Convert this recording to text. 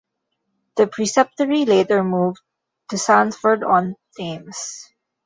The preceptory later moved to Sandford-on-Thames.